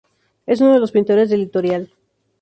Es uno de los pintores del litoral